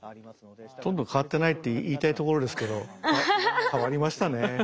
ほとんど変わってないって言いたいところですけど変わりましたね。